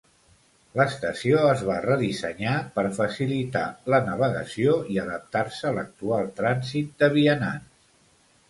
L'estació es va redissenyar per facilitar la navegació i adaptar-se a l'actual trànsit de vianants.